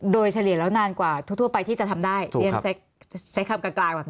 โดยเฉลี่ยแล้วนานกว่าทั่วไปที่จะทำได้เรียนใช้คำกลางแบบนี้